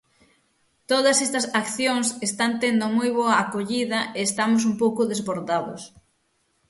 Todas estas accións están tendo moi boa acollida e estamos un pouco desbordados.